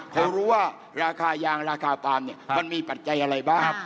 เขารู้ว่าราคายางราคาปาล์มเนี่ยมันมีปัจจัยอะไรบ้าง